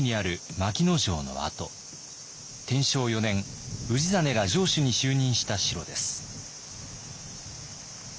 天正４年氏真が城主に就任した城です。